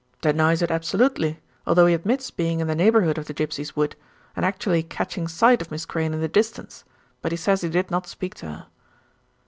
"Denies it absolutely, although he admits being in the neighbourhood of the 'Gipsies Wood,' and actually catching sight of Miss Crayne in the distance; but he says he did not speak to her."